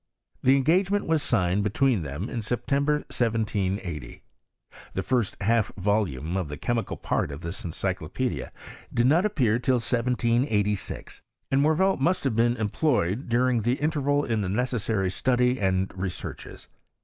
The engagement was signed between them in September, 1780. The lirst half volume of the chemical part of this Encyclopedic did not appear til! 1786, and Morvean must have been employed during the inter val in the necessary study and researches.